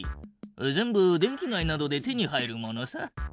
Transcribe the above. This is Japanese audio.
全部電気街などで手に入るものさ。